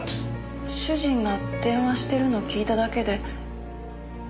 主人が電話してるのを聞いただけで。